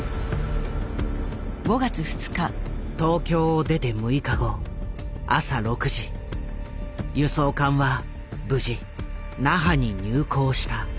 東京を出て６日後朝６時輸送艦は無事那覇に入港した。